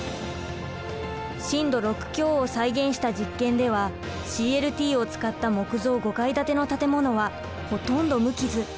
震度６強を再現した実験ではＣＬＴを使った木造５階建ての建物はほとんど無傷。